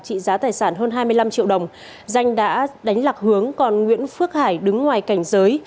trị giá tài sản hơn hai mươi năm triệu đồng danh đã đánh lạc hướng còn nguyễn phước hải đứng ngoài cảnh giới